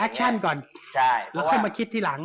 แอคชั่นก่อนแล้วค่อยมาคิดที่หลัง